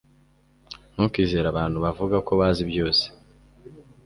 Ntukizere abantu bavuga ko bazi byose